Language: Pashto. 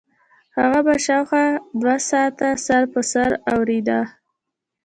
هغه به شاوخوا دوه ساعته سر په سر اورېده.